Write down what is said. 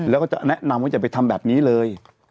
แล้วก็จะแนะนำว่าอย่าไปทำแบบนี้เลย